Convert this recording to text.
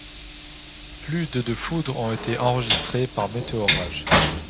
Plus de de foudres ont été enregistrées par Météorage.